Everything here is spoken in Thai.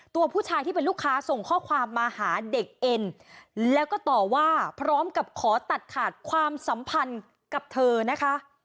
ตัวผู้ชายที่เป็นลูกค้าส่งข้อความมาหาเด็กเอ็นแล้วก็ต่อว่าพร้อมกับขอตัดขาดความสัมพันธ์กับเธอนะคะ